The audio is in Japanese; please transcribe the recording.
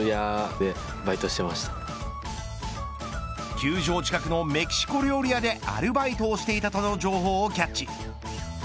球場近くのメキシコ料理屋でアルバイトをしていたとの情報をキャッチ。